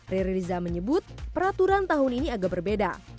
riri riza menyebut peraturan tahun ini agak berbeda